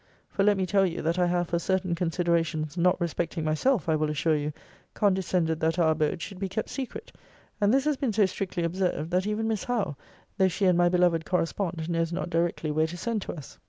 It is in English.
for, let me tell you, that I have, for certain considerations, (not respecting myself, I will assure you,) condescended that our abode should be kept secret. And this has been so strictly observed, that even Miss Howe, though she and my beloved correspond, knows not directly where to send to us.